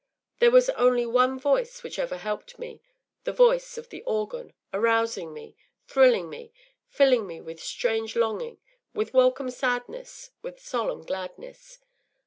There was only one voice which ever helped me, the voice of the organ, arousing me, thrilling me, filling me with strange longing, with welcome sadness, with solemn gladness.